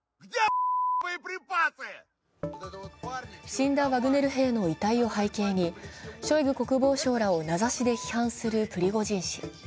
死んだワグネル兵の遺体を背景にショイグ国防相らを名指しで批判するプリゴジン氏。